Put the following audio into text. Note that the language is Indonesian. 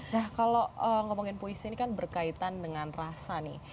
nah kalau ngomongin puisi ini kan berkaitan dengan rasa nih